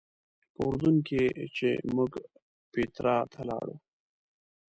په اردن کې چې موږ پیټرا ته لاړو.